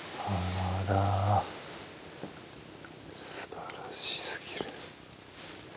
すばらしすぎる。